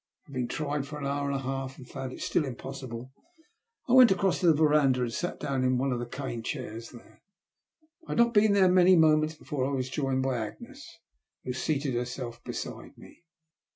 Having tried for an hour and a half, and found it still impossible, I went across to the verandah and sat down in one of the cane chairs there. I had not been there many moments before I was joined by Agnes, who seated herself beside me.